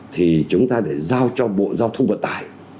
thì chúng ta để giao cho bộ giao thông vận tải